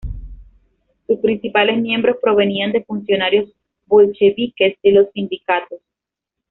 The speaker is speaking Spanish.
Sus principales miembros provenían de funcionarios bolcheviques de los sindicatos.